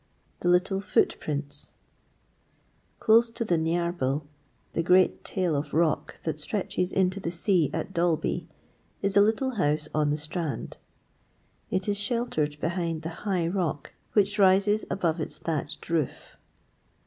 THE LITTLE FOOTPRINTS Close to the Niarbyl, the great tail of rock that stretches into the sea at Dalby, is a little house on the strand. It is sheltered behind by the high rock which rises above its thatched roof.